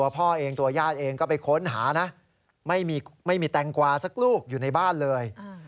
พ่อเองก็ไปค้นหาไม่มีแตงกวาสักลูกอยู่ในบ้านเลย